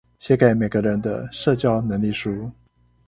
寫給每個人的社交能力書